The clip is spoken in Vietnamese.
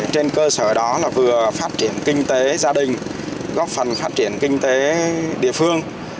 trên cơ sở đó vừa phát triển kinh tế gia đình góp phần phát triển kinh tế địa phương